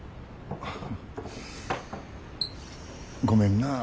ごめんな。